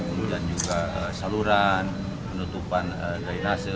kemudian juga saluran penutupan drainase